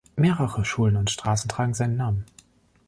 Mehrere Schulen und Straßen tragen seinen Namen.